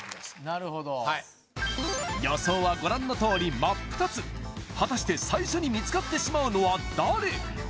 なるほど予想はご覧のとおり真っ二つ果たして最初に見つかってしまうのは誰？